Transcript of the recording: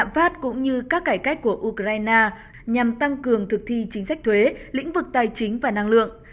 phát cũng như các cải cách của ukraine nhằm tăng cường thực thi chính sách thuế lĩnh vực tài chính và năng lượng